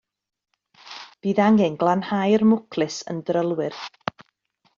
Bydd angen glanhau'r mwclis yn drylwyr.